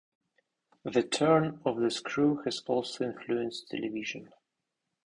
"The Turn of the Screw" has also influenced television.